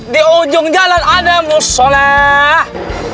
di ujung jalan ada musoleh